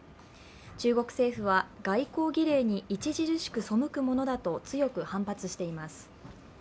中国政府は、外交儀礼に著しく背くものだと強く反発しています。